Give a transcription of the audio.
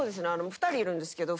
２人いるんですけど。